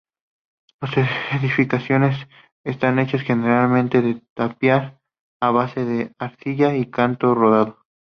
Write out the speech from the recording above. Las edificaciones están hechas generalmente de tapial a base de arcilla y canto rodado.